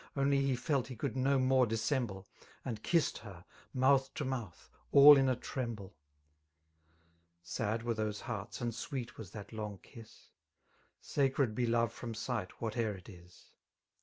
78 Onl; he felt .he could Ho more dissemble. And kissed her^ mouth to mouth> all ia a tremble. Sad were those hearts, and sweet was that long kiss Sacred be love from sight, whate'er it is.